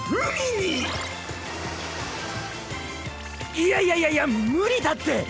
いやいやいやいや無理だって！